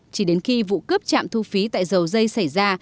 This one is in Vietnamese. chỉ đến khi vụ cướp trạm thu phí tại dầu dây xảy ra